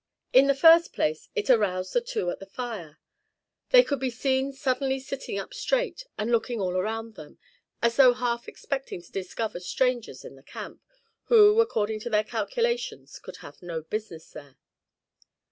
In the first place it aroused the two at the fire. They could be seen suddenly sitting up straight, and looking all around them, as though half expecting to discover strangers in the camp, who according to their calculations could have no business there.